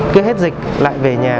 cứ hết dịch lại về nhà